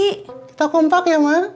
kita kompak ya mak